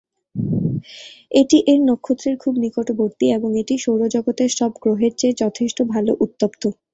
এটি এর নক্ষত্রের খুব নিকটবর্তী, এবং এটি সৌর জগৎ এর সব গ্রহের চেয়ে যথেষ্ট ভাল উত্তপ্ত।